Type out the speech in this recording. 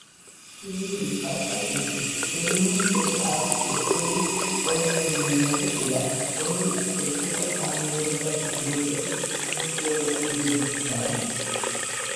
ქიმიური თვალსაზრისით, დნმ — ეს არის გრძელი პოლიმერული მოლეკულა, რომელიც შედგება გამეორებადი ბლოკების — ნუკლეოტიდებისგან.